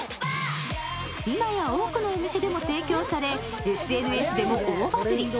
今や多くのお店でも提供されＳＮＳでも大バズり。